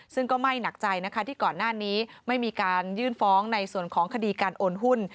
ซึ่งก็ไม่หนักใจนะคะที่ก่อนหน้านี้ไม่มีการยื่นฟ้องในส่วนของคดีการโอนหุ้น